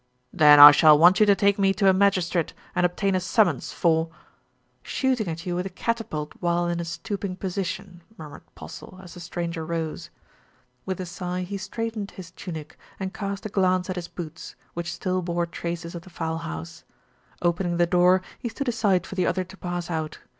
"Then I shall want you to take me to a magistrate and obtain a summons for " 238 THE RETURN OF ALFRED "Shooting at you with a catapult while in a stooping position," murmured Postle, as the stranger rose. With a sigh, he straightened his tunic and cast a glance at his boots, which still bore traces of the fowl house. Opening the door, he stood aside for the other to pass out.